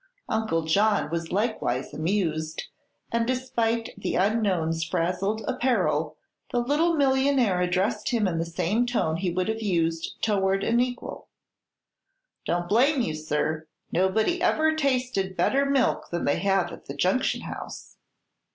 Uncle John was likewise amused, and despite the unknown's frazzled apparel the little millionaire addressed him in the same tone he would have used toward an equal. "Don't blame you, sir. Nobody ever tasted better milk than they have at the Junction House."